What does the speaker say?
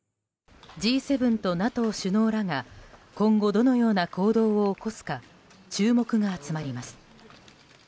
Ｇ７とＮＡＴＯ首脳らが今後どのような行動を起こすか注目が集まります。